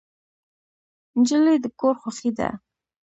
نجلۍ د کور خوښي ده.